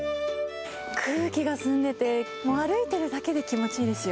空気が澄んでいて、もう歩いているだけで気持ちいいですよ。